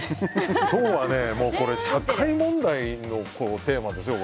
今日は社会問題のテーマですよ